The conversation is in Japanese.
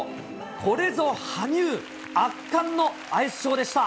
これぞ羽生、圧巻のアイスショーでした。